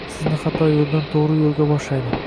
Sizni xato yo’ldan to’g’ri yo’lga boshlaydi.